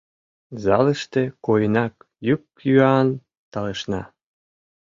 Залыште койынак йӱк-йӱан талышна.